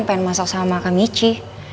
pengen masak sama kak michi